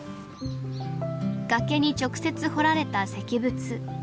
崖に直接彫られた石仏。